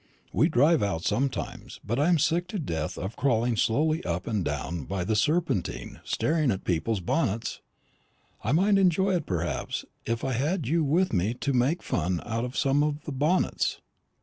We drive out sometimes; but I am sick to death of crawling slowly up and down by the Serpentine staring at people's bonnets. I might enjoy it, perhaps, if I had you with me to make fun out of some of the bonnets.